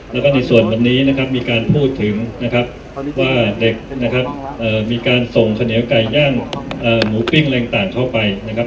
แล้วก็ในส่วนวันนี้นะครับมีการพูดถึงนะครับว่าเด็กนะครับมีการส่งข้าวเหนียวไก่ย่างหมูปิ้งอะไรต่างเข้าไปนะครับ